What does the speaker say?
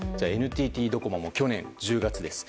ＮＴＴドコモ、去年１０月です。